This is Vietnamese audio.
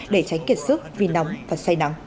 để tránh kiệt sức vì nóng và say nắng